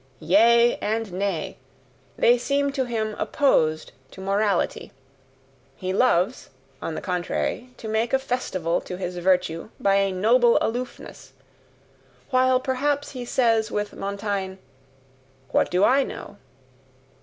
Yea! and Nay! they seem to him opposed to morality; he loves, on the contrary, to make a festival to his virtue by a noble aloofness, while perhaps he says with Montaigne: "What do I know?"